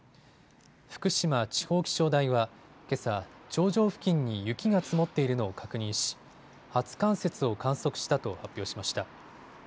福島地方気象台はけさ、頂上付近に雪が積もっているのを確認し初冠雪を観測したと発表しました。